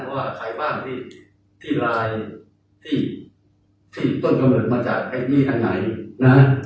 ว่าใครบ้างที่รายที่ต้นกระเบิดมาจากไอ้ยี่อันไหน